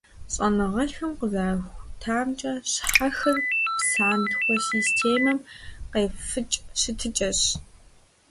ЩӀэныгъэлӀхэм къызэрахутамкӀэ, щхьэхыр псантхуэ системэм къефыкӀ щытыкӀэщ.